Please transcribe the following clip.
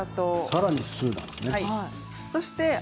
さらに酢なんですね。